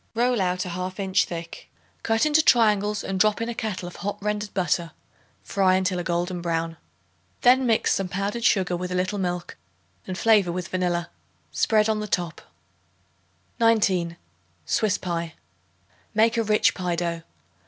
Roll out a half inch thick. Cut into triangles and drop in a kettle of hot rendered butter; fry until a golden brown. Then mix some powdered sugar with a little milk and flavor with vanilla. Spread on the top. 19. Swiss Pie. Make a rich pie dough.